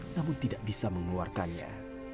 namun tidak bisa mengeluarkannya